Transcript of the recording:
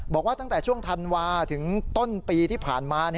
บอกว่าตั้งแต่ช่วงธันวาถึงต้นปีที่ผ่านมา